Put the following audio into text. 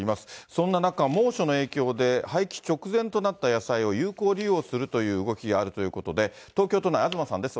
そんな中、猛暑の影響で廃棄直前となった野菜を有効利用するという動きがあるということで、東京都内、東さんです。